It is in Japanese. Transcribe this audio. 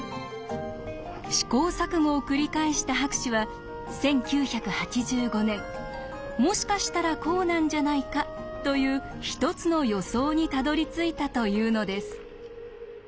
試行錯誤を繰り返した博士は１９８５年もしかしたらこうなんじゃないかという一つの予想にたどりついたというのです。